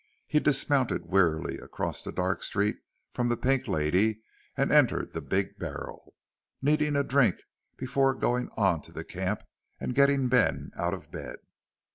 He dismounted wearily across the dark street from the Pink Lady and entered the Big Barrel, needing a drink before going on to the camp and getting Ben out of bed.